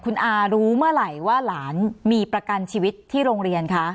คุณอารู้เมื่อไหร่ว่าหลานมีประกันชีวิตที่โรงเรียนคะ